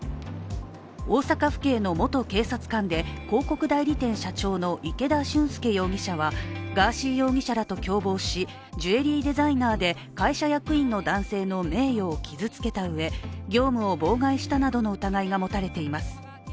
大阪府警の元警察官で、広告代理店社長の池田俊輔容疑者はガーシー容疑者らと共謀しジュエリーデザイナーで会社役員の男性の名誉を傷つけたうえ、業務を妨害したなどの疑いが持たれています。